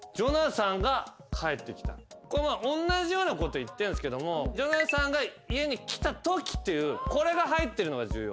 おんなじようなこと言ってんすけども「ジョナサンが家に来たとき」っていうこれが入ってるのが重要。